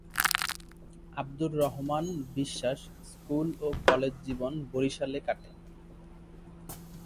Abdur Rahman Biswas school ও college জীবন বরিশালে কাটে।